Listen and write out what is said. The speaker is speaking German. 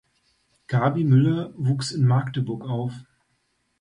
Gaby Müller wuchs in Magdeburg auf.